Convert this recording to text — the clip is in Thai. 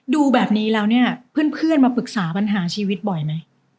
ดูแบบนี้แล้วเนี่ยเพื่อนมาปรึกษาปัญหาชีวิตบ่อยไหม